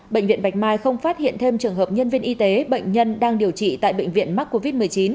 bệnh viện bạch mai không phát hiện thêm trường hợp nhân viên y tế bệnh nhân đang điều trị tại bệnh viện mắc covid một mươi chín